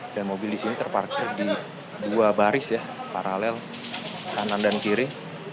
dan mobil di sini terparkir di dua baris ya paralel kanan dan kiri